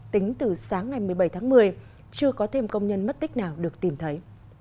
tính từ sáng ngày một mươi bảy tháng một mươi chưa có thêm công nhân mất tích nào được tìm thấy